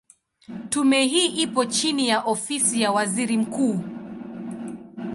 Tume hii ipo chini ya Ofisi ya Waziri Mkuu.